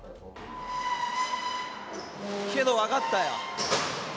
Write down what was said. けど、分かったよ。